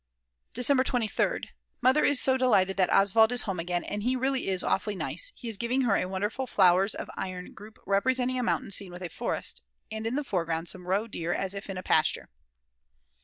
December 23rd. Mother is so delighted that Oswald is home again and he really is awfully nice; he is giving her a wonderful flowers of iron group representing a mountain scene with a forest, and in the foreground some roe deer as if in a pasture.